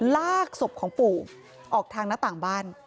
ลากศพของปู่ออกทางหน้าต่างบ้าน